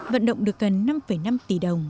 vận động được gần năm năm tỷ đồng